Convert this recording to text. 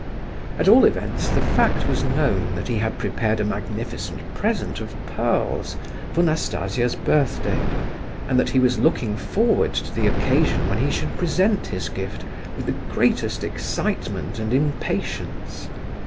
At all events the fact was known that he had prepared a magnificent present of pearls for Nastasia's birthday, and that he was looking forward to the occasion when he should present his gift with the greatest excitement and impatience.